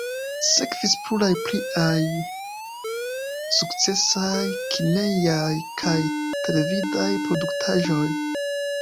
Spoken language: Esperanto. Sekvis pluraj pliaj sukcesaj kinejaj kaj televidaj produktaĵoj.